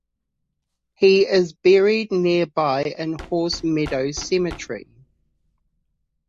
He is buried nearby in Horse Meadows Cemetery.